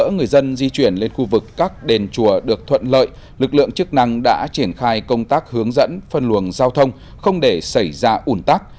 để giúp người dân di chuyển lên khu vực các đền chùa được thuận lợi lực lượng chức năng đã triển khai công tác hướng dẫn phân luồng giao thông không để xảy ra ủn tắc